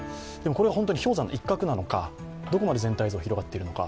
これは本当に氷山の一角なのか、どこまで全体像広がっているのか